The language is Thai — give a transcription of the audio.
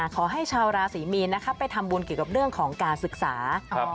ขอให้ชาวราศรีมีนไปทำบุญเกี่ยวกับเรื่องของการศึกษา